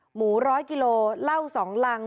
หมู๑๐๐กิโลเหล้า๒รัง